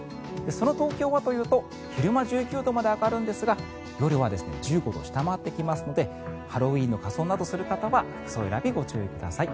その東京はというと昼間は１９度まで上がるんですが夜は１５度を下回ってきますのでハロウィーンの仮装などをする方は服装選び、ご注意ください。